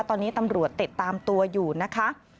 ตอนนี้ตำรวจติดตามตัวอยู่นะคะ